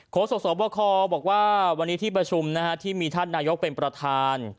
โศกสวบคบอกว่าวันนี้ที่ประชุมที่มีท่านนายกเป็นประธาน